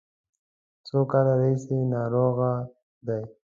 څو کالو راهیسې ناروغه دی.